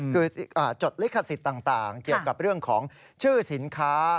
คือจดลิขสิทธิ์ต่างเกี่ยวกับเรื่องของชื่อสินค้า